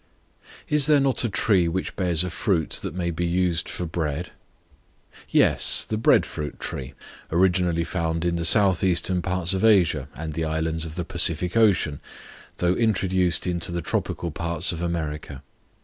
Is there not a tree which bears a fruit that may be used for bread? Yes; the Bread fruit Tree, originally found in the southeastern parts of Asia and the islands of the Pacific Ocean, though introduced into the tropical parts of America.